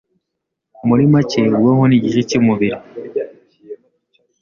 Muri macye ubwonko ni igice cy’umubiri